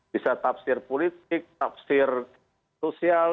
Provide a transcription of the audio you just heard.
bisa tafsir politik tafsir sosial